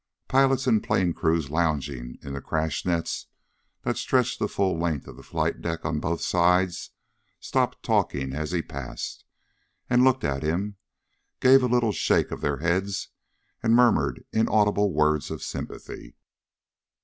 Pilots and plane crews lounging in the crash nets that stretched the full length of the flight deck on both sides stopped talking as he passed, looked at him, gave a little shake of their heads, and murmured inaudible words of sympathy.